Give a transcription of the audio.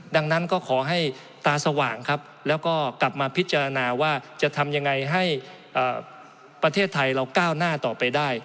ดังนั้นก็ขอให้ตาสว่างครับแล้วก็กลับมาพิจารณาว่าจะทำยังไงให้ประเทศไทยเราก้าวหน้าต่อไปได้